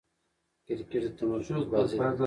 کرکټ د تمرکز بازي ده.